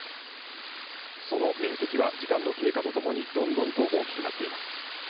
その面積は、時間の経過とともに、どんどんと大きくなっています。